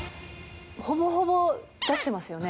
ほぼほぼ出してますよね。